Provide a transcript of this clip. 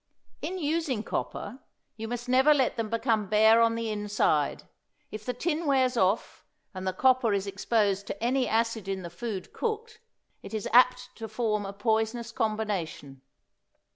In using copper, you must never let them become bare on the inside. If the tin wears off and the copper is exposed to any acid in the food cooked, it is apt to form a poisonous combination.